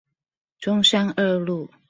中山二路